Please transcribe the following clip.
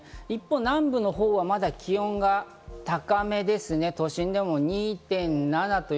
一方、南部のほうはまだ気温が高めですね、都心も２．７度。